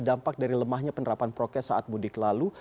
dampak dari lemahnya penerapan prokes saat mudik lalu